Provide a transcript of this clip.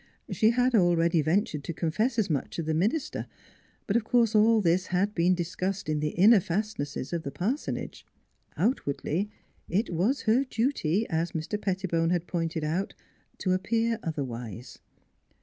She had already ventured to confess as much to the minister. But of course all this had been discussed in the inner fastnesses of the par sonage. Outwardly it was her duty as Mr. Pettibone had pointed out to appear otherwise.